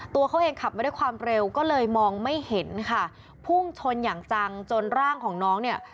ตัวเขาเองขับมาด้วยความเร็วก็เลยมองไม่เห็นค่ะพุ่งชนอย่างจังจนร่างของน้องเนี่ย